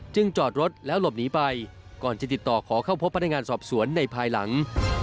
จอดรถแล้วหลบหนีไปก่อนจะติดต่อขอเข้าพบพนักงานสอบสวนในภายหลัง